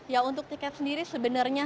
ya untuk tiket sendiri sebenarnya